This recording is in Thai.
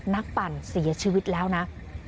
ปั่นเสียชีวิตแล้วนะ